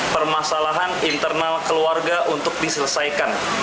permasalahan internal keluarga untuk diselesaikan